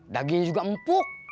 dagingnya juga empuk